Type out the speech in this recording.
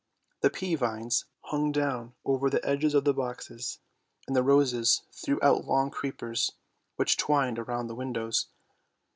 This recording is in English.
The pea vines hung down over the edges of the boxes, and the roses threw out long creepers which twined round the windows.